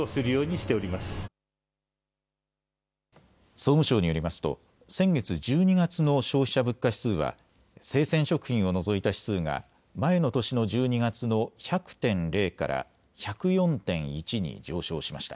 総務省によりますと先月、１２月の消費者物価指数は生鮮食品を除いた指数が前の年の１２月の１００．０から１０４．１に上昇しました。